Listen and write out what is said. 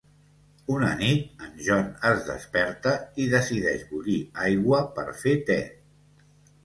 Una nit, en John es desperta i decideix bullir aigua per fer te.